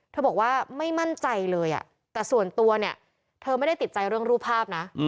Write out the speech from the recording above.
บอกว่าไม่มั่นใจเลยแต่ส่วนตัวเนี่ยเธอไม่ได้ติดใจเรื่องรูปภาพนะ